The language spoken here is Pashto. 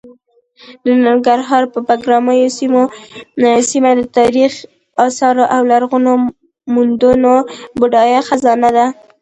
د ننګرهار د بګراميو سیمه د تاریخي اثارو او لرغونو موندنو بډایه خزانه ده.